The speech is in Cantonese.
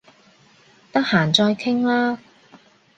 得閒再傾啦